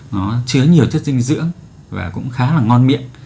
nó chứa nhiều chất dinh dưỡng và cũng khá là ngon miệng